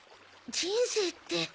人生って。